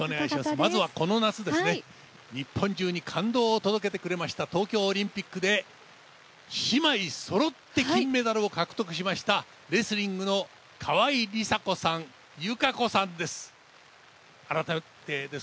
まずは、この夏、日本中に感動を届けてくれました東京オリンピックで姉妹そろって金メダルを獲得しましたレスリングの川井梨紗子さん、友香子さんです。